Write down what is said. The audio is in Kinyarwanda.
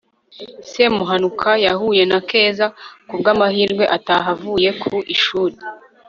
semuhanuka yahuye na keza ku bw'amahirwe ataha avuye ku ishuri